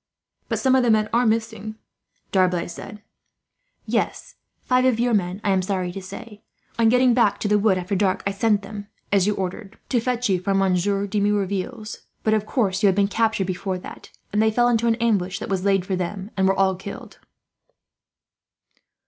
"But some of the men are missing," D'Arblay said. "Yes; five of your men, I am sorry to say. On getting back to the wood after dark I sent them, as you ordered, to fetch you from Monsieur de Merouville's; but of course you had been captured before that, and they fell into an ambush that was laid for them, and were all killed."